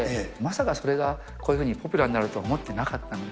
それが賞をもらって、まさかそれがこういうふうにポピュラーになるとは思ってなかったので。